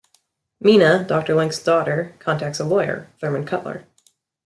Mina, Doctor Link's daughter, contacts a lawyer, Thurman Cutler.